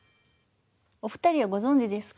お二人はご存じですか？